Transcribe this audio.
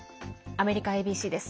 アメリカＡＢＣです。